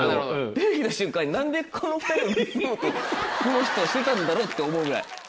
出て来た瞬間に何でこの２人を盗もうとこの人はしてたんだろう？って思うぐらい。